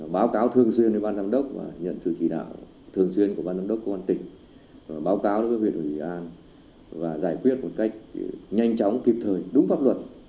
báo cáo thường xuyên với ban giám đốc và nhận sự chỉ đạo thường xuyên của ban giám đốc công an tỉnh báo cáo đối với huyện ủy an và giải quyết một cách nhanh chóng kịp thời đúng pháp luật